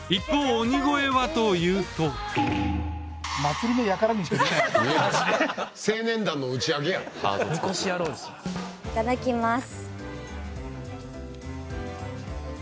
鬼越はというといただきます